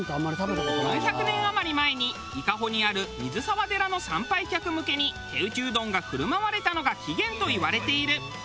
４００年余り前に伊香保にある水澤寺の参拝客向けに手打ちうどんが振る舞われたのが起源といわれている。